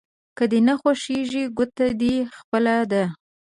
که دې نه خوښېږي ګوته دې خپله ده.